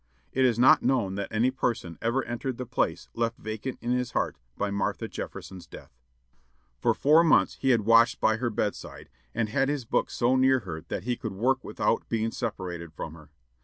It is not known that any person ever entered the place left vacant in his heart by Martha Jefferson's death. For four months he had watched by her bedside, or had his books so near her that he could work without being separated from her.